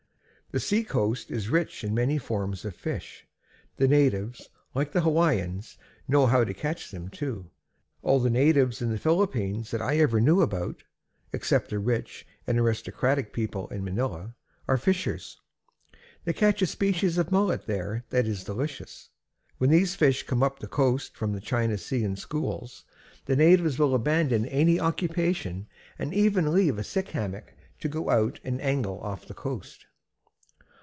"The seacoast is rich in many forms of fish. The natives, like the Hawaiians, know how to catch them, too. All the natives in the Philippines that I ever knew about (except the rich and aristocratic people in Manila) are fishers. They catch a species of mullet there that is delicious. When these fish come up the coast from the China Sea in schools, the natives will abandon any occupation and even leave a sick hammock to go out and angle off the coast."